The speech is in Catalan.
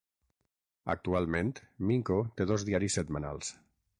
Actualment, Minco té dos diaris setmanals.